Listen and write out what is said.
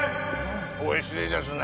おいしいですね。